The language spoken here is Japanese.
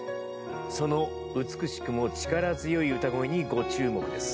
その美しくも力強い歌声にご注目です。